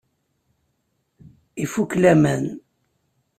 Ifukk laman!